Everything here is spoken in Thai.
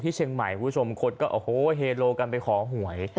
ที่เชียงใหม่ผู้บาชมฯก็โอ้โหเฮโหลกันไปขอหวย